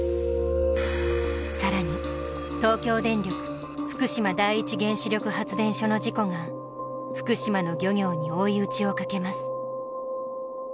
さらに東京電力福島第一原子力発電所の事故が福島の漁業に追い打ちをかけます。